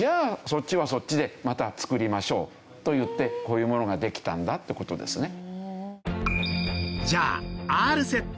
そっちはそっちでまた作りましょうといってこういうものができたんだって事ですね。